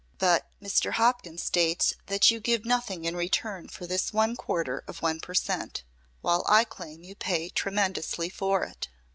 "But, Mr. Hopkins states that you give nothing in return for this one quarter of one per cent, while I claim you pay tremendously for it.